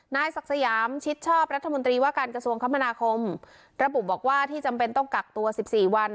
นายศักดิ์สยามชิดชอบรัฐมนตรีว่าการกระทรวงคมนาคมระบุบอกว่าที่จำเป็นต้องกักตัว๑๔วัน